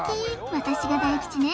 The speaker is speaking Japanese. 私が大吉ね